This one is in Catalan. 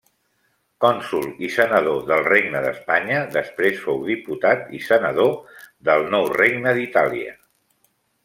Cònsol i senador del Regne d'Espanya; després fou diputat i senador del nou Regne d'Itàlia.